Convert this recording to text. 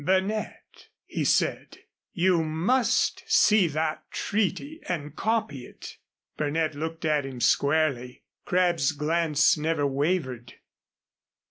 "Burnett," he said, "you must see that treaty and copy it." Burnett looked at him squarely. Crabb's glance never wavered.